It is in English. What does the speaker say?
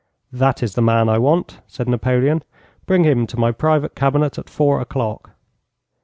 '"That is the man I want," said Napoleon. "Bring him to my private cabinet at four o'clock."